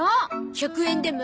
１００円でも？